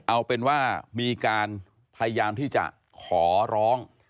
เอาเป็นว่ามีการพยายามที่จะขอร้อง